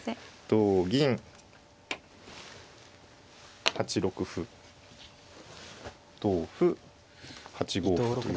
同銀８六歩同歩８五歩という。